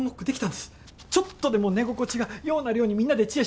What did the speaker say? ちょっとでも寝心地がようなるようにみんなで知恵絞って改良しました。